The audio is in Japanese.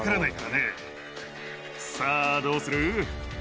さぁどうする？